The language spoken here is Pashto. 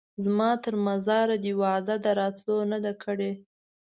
زما تر مزاره دي وعده د راتلو نه ده کړې